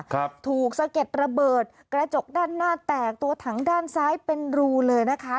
ถูกสะเก็ดระเบิดกระจกด้านหน้าแตกตัวถังด้านซ้ายเป็นรูเลยนะคะ